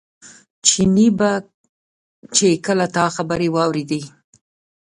چیني به چې کله دا خبرې واورېدې.